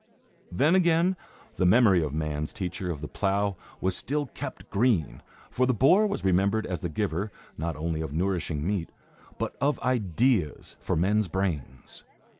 Then again, the memory of man's teacher of the plough was still kept green; for the boar was remembered as the giver, not only of nourishing meat, but of ideas for men's brains.